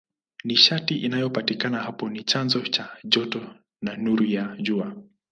Nishati inayopatikana hapo ni chanzo cha joto na nuru ya Jua.